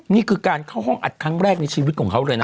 นี่คือการเข้าห้องอัดครั้งแรกในชีวิตของเขาเลยนะ